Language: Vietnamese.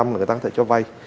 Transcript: người ta có thể cho vay